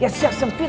ya siap sempit